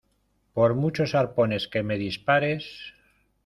por muchos arpones que me dispares.